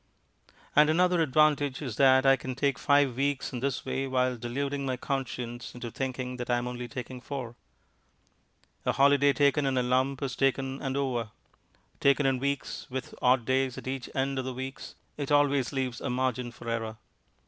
And another advantage is that I can take five weeks in this way while deluding my conscience into thinking that I am only taking four. A holiday taken in a lump is taken and over. Taken in weeks, with odd days at each end of the weeks, it always leaves a margin for error.